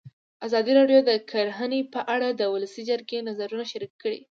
ازادي راډیو د کرهنه په اړه د ولسي جرګې نظرونه شریک کړي.